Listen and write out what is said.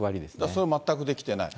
それが全くできていない。